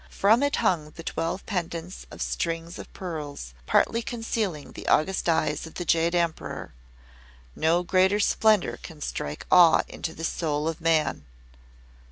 From it hung the twelve pendants of strings of pearls, partly concealing the august eyes of the Jade Emperor. No greater splendour can strike awe into the soul of man.